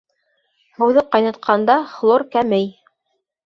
Һыуҙы ҡайнатҡанда хлор кәмей.